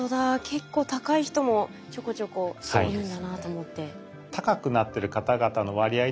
結構高い人もちょこちょこいるんだなと思って。